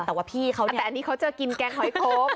แต่ว่าพี่เขาเนี่ยแต่อันนี้เขาจะกินแกงหอยโค้ง